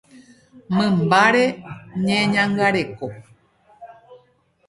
Mymbáre ñeñangareko.